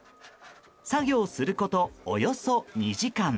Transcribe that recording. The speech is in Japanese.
作業すること、およそ２時間。